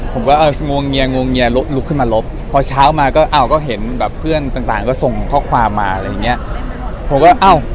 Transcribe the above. ผมก็เอองวงเงียงวงเงียลุกขึ้นมาลบพอเช้ามาก็อ้าวก็เห็นแบบเพื่อนต่างก็ส่งข้อความมาอะไรอย่างเงี้ยผมก็อ้าว